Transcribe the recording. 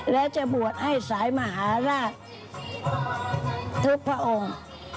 และจะบวชให้สายมหาราชทุกพระองค์